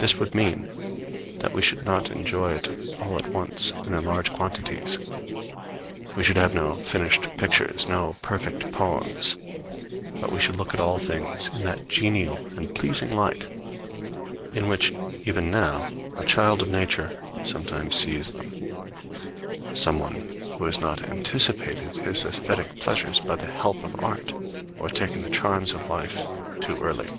This would mean that we should not enjoy it all at once and in large quantities; we should have no finished pictures, no perfect poems; but we should look at all things in that genial and pleasing light in which even now a child of Nature sometimes sees them some one who has not anticipated his aesthetic pleasures by the help of art, or taken the charms of life too early.